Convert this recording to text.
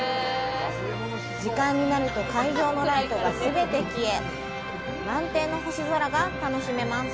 時間になると会場のライトが全て消え、満点の星空が楽しめます！